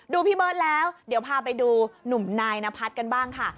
พี่เบิร์ตแล้วเดี๋ยวพาไปดูหนุ่มนายนพัฒน์กันบ้างค่ะ